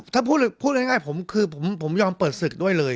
ถ้าพูดง่ายผมคือผมยอมเปิดศึกด้วยเลย